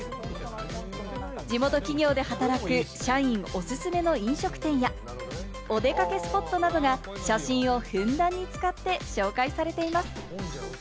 地元企業で働く、社員おすすめの飲食店や、お出かけスポットなどが写真をふんだんに使って紹介されています。